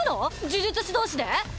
呪術師同士で？